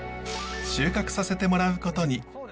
収穫させてもらうことに。